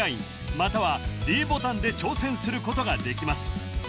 ＬＩＮＥまたはｄボタンで挑戦することができます